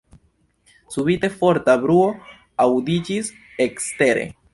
Subite forta bruo aŭdiĝis ekstere.